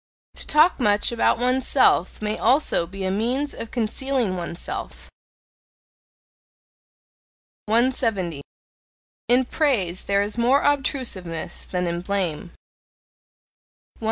To talk much about oneself may also be a means of concealing oneself. 170. In praise there is more obtrusiveness than in blame. 171.